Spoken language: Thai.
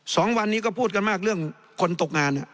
สองวันนี้ก็พูดกันมากเรื่องคนตกงาน